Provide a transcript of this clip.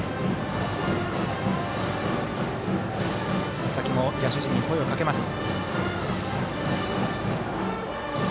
佐々木も野手陣に声をかけます。